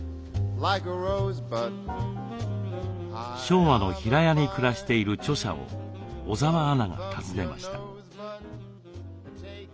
昭和の平屋に暮らしている著者を小澤アナが訪ねました。